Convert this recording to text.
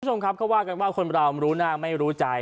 คุณผู้ชมครับเขาว่ากันว่าคนเรารู้หน้าไม่รู้ใจ